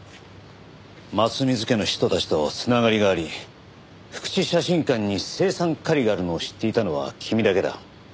松水家の人たちと繋がりがあり福地写真館に青酸カリがあるのを知っていたのは君だけだ。